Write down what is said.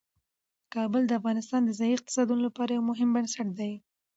کابل د افغانستان د ځایي اقتصادونو لپاره یو مهم بنسټ دی.